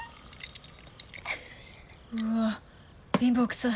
うわ貧乏くさい。